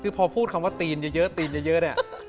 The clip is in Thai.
ถึงพอพูดคำว่าตีนเยอะ